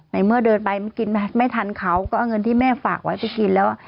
ในเมื่อเดินไปมันกินไม่ทันเขาก็เอาเงินที่แม่ฝากไว้ไปกินแล้ว